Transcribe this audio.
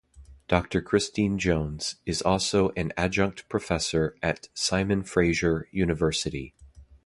Doctor Christine Jones is also an adjunct professor at Simon Fraser University.